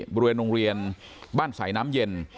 บริเวณโรงเรียนบ้านสายน้ำเย็น